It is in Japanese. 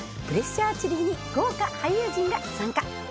プレッシャーアーチェリーに豪華俳優陣が参加